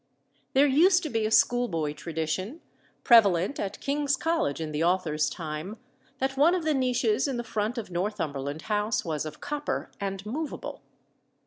There used to be a schoolboy tradition, prevalent at King's College in the author's time, that one of the niches in the front of Northumberland House was of copper and movable.